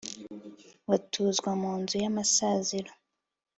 batuzwa mu nzu y amasaziro